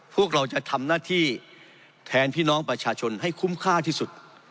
พวกเราจะทำหน้าที่แทนพี่น้องประชาชนให้คุ้มค่าที่สุด